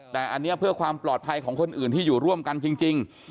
แต่อันนี้เพื่อความปลอดภัยของคนอื่นที่อยู่ร่วมกันจริง